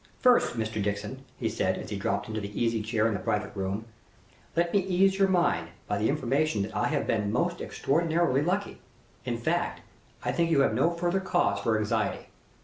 "First, Mr. Dixon," he said, as he dropped into an easy chair in the private room, "let me ease your mind by the information that I have been most extraordinarily lucky; in fact, I think you have no further cause for anxiety.